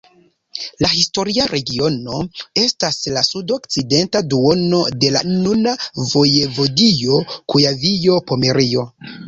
La historia regiono estas la sudokcidenta duono de la nuna vojevodio Kujavio-Pomerio.